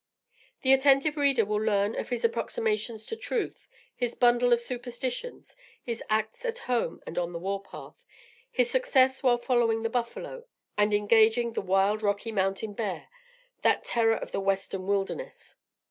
The attentive reader will learn of his approximations to truth, his bundle of superstitions, his acts at home and on the war path, his success while following the buffalo and engaging the wild Rocky Mountain bear, that terror of the western wilderness.